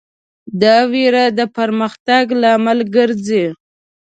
دا وېره د پرمختګ لامل ګرځي.